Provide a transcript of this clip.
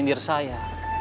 ini sendiri saya